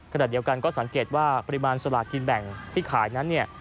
ขณะเดียวกันก็สังเกตว่าปริมาณสลากินแบ่งที่ขายนั้นเนี่ย